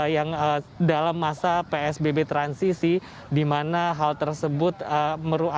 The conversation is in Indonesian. yang dalam masa psbb transisi di mana hal tersebut merupakan